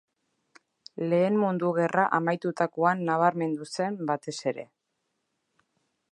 Lehen Mundu Gerra amaitutakoan nabarmendu zen batez ere.